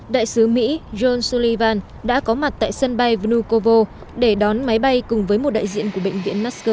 đại sứ mỹ john sullivan đã có mặt tại sân bay vnukovo để đón máy bay cùng với một đại diện của bệnh viện moscow